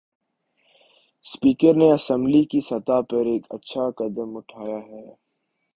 Speaker نے assembly کی سطح پر ایک اچھا قدم اٹھایا ہے۔